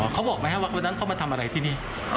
เขาบอกไหมครับว่าวันนั้นเขามาทำอะไรที่นี่